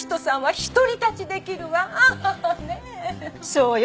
そうよ